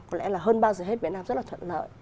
có lẽ là hơn bao giờ hết việt nam rất là thuận lợi